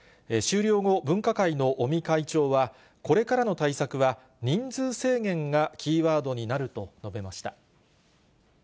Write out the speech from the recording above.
終了後、分科会の尾身会長はこれからの対策は、人数制限がキーワードになると述べました。